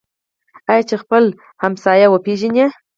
آیا چې خپل ګاونډی وپیژني؟